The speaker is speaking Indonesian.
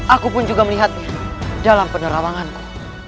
aku pun juga melihat dalam penerawanganku